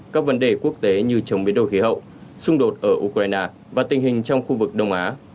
các vấn đề quốc tế như chống biến đổi khí hậu xung đột ở ukraine và tình hình trong khu vực đông á